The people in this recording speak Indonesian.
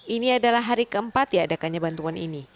ini adalah hari keempat diadakannya bantuan ini